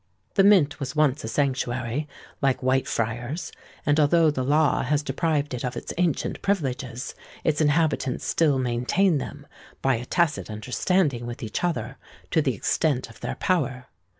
The Mint was once a sanctuary, like Whitefriars; and, although the law has deprived it of its ancient privileges, its inhabitants still maintain them, by a tacit understanding with each other, to the extent of their power.